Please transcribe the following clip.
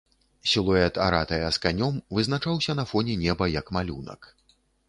Сілуэт аратая з канём вызначаўся на фоне неба, як малюнак.